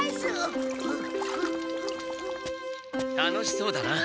楽しそうだな。